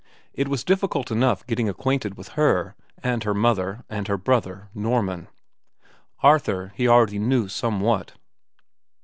It was difficult enough getting acquainted with her, and her mother, and her brother, Norman. Arthur he already knew somewhat.